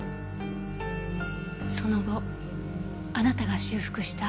その後あなたが修復した。